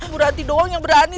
berhenti doang yang berani